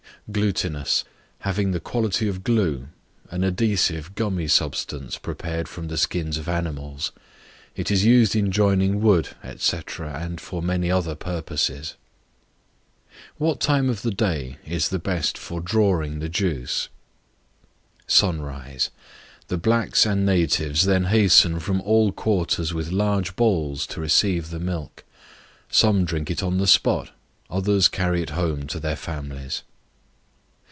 Glutinous, having the quality of glue, an adhesive, gummy substance, prepared from the skins of animals: it is used in joining wood, &c., and for many other purposes. What time of the day is the best for drawing the juice? Sunrise; the blacks and natives then hasten from all quarters with large bowls to receive the milk; some drink it on the spot, others carry it home to their families.